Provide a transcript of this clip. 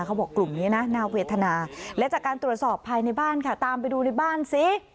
กลุ่มนี้นะน่าเวทนาและจากการตรวจสอบภายในบ้านค่ะตามไปดูในบ้านสิ